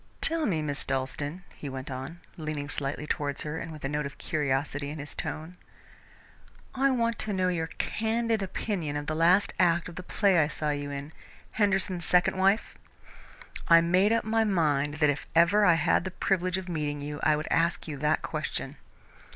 "Tell me, Miss Dalstan," he went on, leaning slightly towards her, and with a note of curiosity in his tone, "I want to know your candid opinion of the last act of the play I saw you in 'Henderson's Second Wife'? I made up my mind that if ever I had the privilege of meeting you, I would ask you that question."